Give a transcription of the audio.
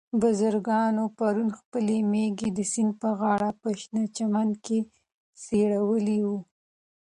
بزګرانو پرون خپلې مېږې د سیند په غاړه په شنه چمن کې څرولې وې.